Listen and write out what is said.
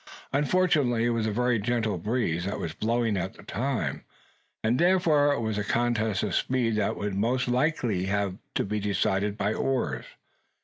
Unfortunately it was a very gentle breeze that was blowing at the time; and therefore it was a contest of speed that would most likely have to be decided by the oars.